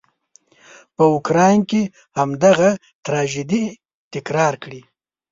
په اوکراین کې همدغه تراژيدي تکرار کړي.